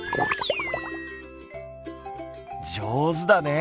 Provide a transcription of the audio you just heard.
上手だね。